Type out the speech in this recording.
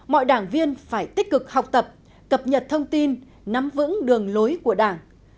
mọi đảng viên phải tích cực học tập cập nhật thông tin nắm vững đường lối của đảng